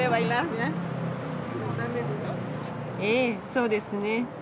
ええそうですね。